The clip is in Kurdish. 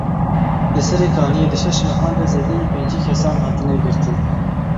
Li Serê Kaniyê di şeş mehan de zêdeyî pêncî kesan hatine girtin.